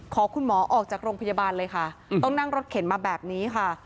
ขอคุณหมอออกจากโรงพยาบาลเลยค่ะต้องนั่งรถเข็นมาแบบนี้ค่ะ